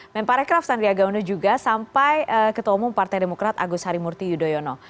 menparekraf sandriaga uno juga sampai ketemu partai demokrat agus harimurti yudhoyono